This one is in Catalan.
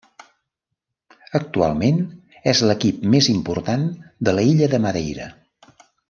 Actualment és l'equip més important de l'illa de Madeira.